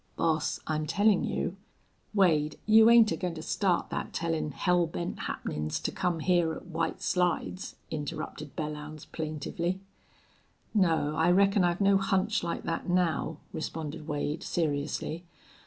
"Boss, I'm tellin' you " "Wade, you ain't agoin' to start thet tellin' hell bent happenin's to come hyar at White Slides?" interrupted Belllounds, plaintively. "No, I reckon I've no hunch like that now," responded Wade, seriously.